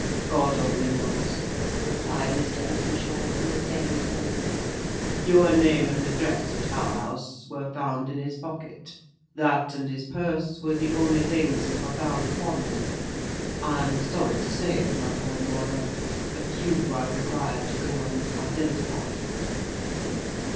"God only knows," replied Mr. Openshaw, in the same tone. "Your name and address at our house, were found in his pocket: that, and his purse, were the only things, that were found upon him. I am sorry to say it, my poor Norah; but you are required to go and identify him."